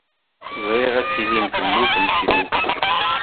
Ẓriɣ ad tilim temmutem seg tugdi.